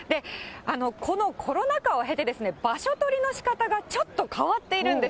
このコロナ禍を経て、場所取りのしかたが、ちょっと変わっているんです。